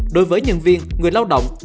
đối với nhân viên người lao động